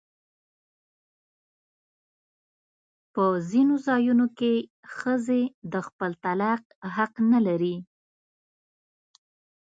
په ځینو ځایونو کې ښځې د خپل طلاق حق نه لري.